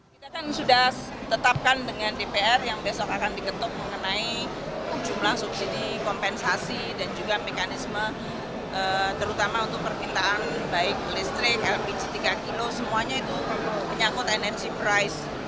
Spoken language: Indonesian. kita kan sudah tetapkan dengan dpr yang besok akan diketuk mengenai jumlah subsidi kompensasi dan juga mekanisme terutama untuk permintaan baik listrik lpg tiga km semuanya itu menyangkut energy price